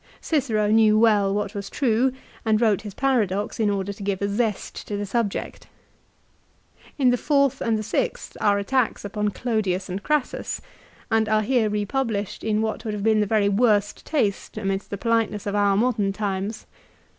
Cicero knew well what was true, and wrote his paradox in order to give a zest to the subject. In the fourth and the 1 Oratories Partitiones, xvii. and xxiii. AFTER THE BATTLE. 173 sixth are attacks upon Clodius and Crassus, and are here republished in what M T ould have been the very worst taste amidst the politeness of our modern times.